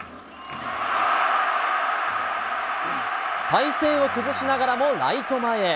体勢を崩しながらもライト前へ。